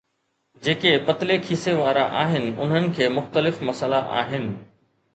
جيڪي پتلي کيسي وارا آهن انهن کي مختلف مسئلا آهن.